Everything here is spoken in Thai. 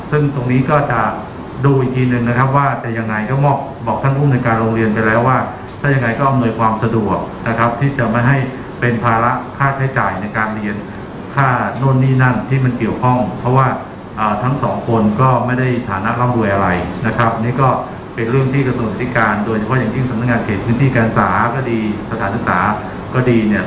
ซึ่งตรงนี้ก็จะดูอีกทีหนึ่งนะครับว่าต้องยังไงก็